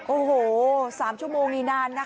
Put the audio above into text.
โอ้โห๓ชั่วโมงนี่นานนะคะ